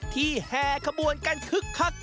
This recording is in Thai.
ที่แห่ขบวนกันคึก